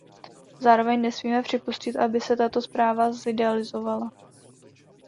Zároveň nesmíme připustit, aby se tato rozprava zideologizovala.